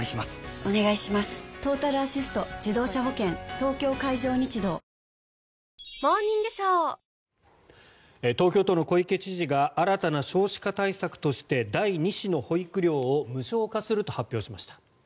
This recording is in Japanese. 東京海上日動東京都の小池知事が新たな少子化対策として第２子の保育料を無償化すると発表しました。